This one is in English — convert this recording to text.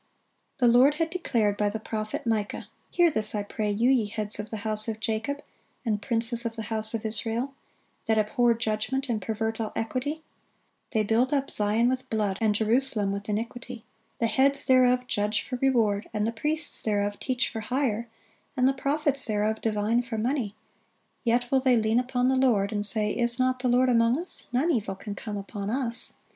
The Lord had declared by the prophet Micah: "Hear this, I pray you, ye heads of the house of Jacob, and princes of the house of Israel, that abhor judgment, and pervert all equity. They build up Zion with blood, and Jerusalem with iniquity. The heads thereof judge for reward, and the priests thereof teach for hire, and the prophets thereof divine for money: yet will they lean upon the Lord, and say, Is not the Lord among us? none evil can come upon us."